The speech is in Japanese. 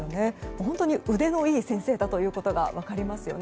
本当に腕のいい先生だということが分かりますよね。